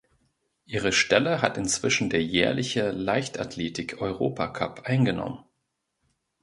Ihre Stelle hat inzwischen der jährliche Leichtathletik-Europacup eingenommen.